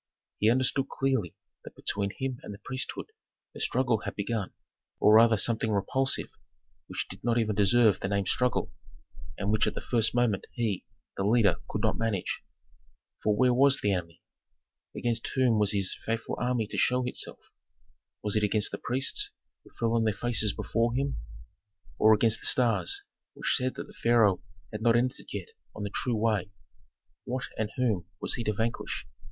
He understood clearly that between him and the priesthood a struggle had begun, or rather something repulsive which did not even deserve the name struggle, and which at the first moment he, the leader, could not manage. For where was the enemy? Against whom was his faithful army to show itself? Was it against the priests who fell on their faces before him? Or against the stars which said that the pharaoh had not entered yet on the true way? What and whom was he to vanquish?